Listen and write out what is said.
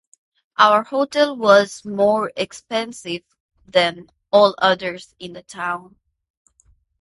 Our hotel was more expensive than all others in the town.